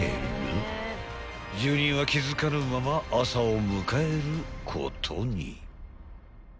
［住人は気付かぬまま朝を迎えることに］